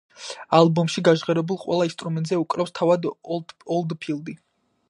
ალბომში გაჟღერებულ ყველა ინსტრუმენტზე უკრავს თავად ოლდფილდი.